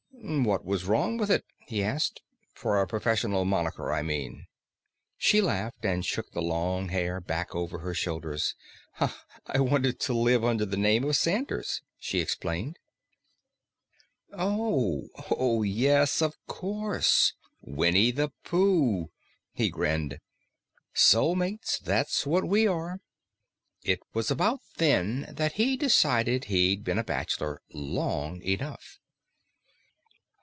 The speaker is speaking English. "What was wrong with it?" he asked. "For a professional monicker, I mean." She laughed and shook the long hair back over her shoulders. "I wanted to live under the name of Sanders," she explained. "Oh oh, yes, of course. Winnie the Pooh." He grinned. "Soulmates, that's what we are." It was about then that he decided he'd been a bachelor long enough.